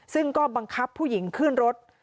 ซึ่งก็บังคับผู้หญิงขึ้นรถ